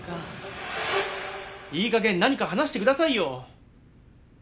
いい加減何か話してくださいよ。